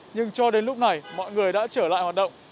nhưng cho đến lúc này mọi người đã trở lại hoạt động